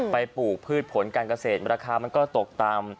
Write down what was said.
ปลูกพืชผลการเกษตรราคามันก็ตกตาม